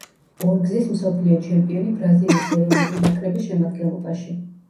ორგზის მსოფლიო ჩემპიონი ბრაზილიის ეროვნული ნაკრების შემადგენლობაში.